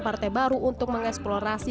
partai baru untuk mengeksplorasi